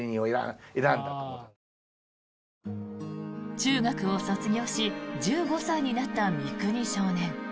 中学を卒業し１５歳になった三國少年。